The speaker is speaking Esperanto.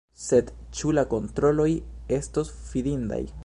Sed ĉu la kontroloj estos fidindaj?